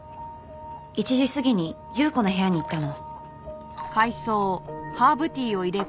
１時過ぎに祐子の部屋に行ったの。